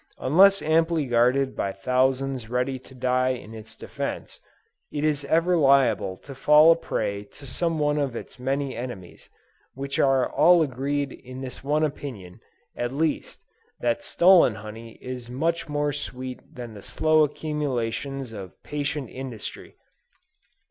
Unless amply guarded by thousands ready to die in its defence, it is ever liable to fall a prey to some one of its many enemies, which are all agreed in this one opinion, at least, that stolen honey is much more sweet than the slow accumulations of patient industry.